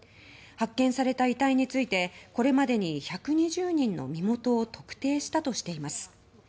発見された遺体についてこれまでに１２０人の身元を特定したとしています。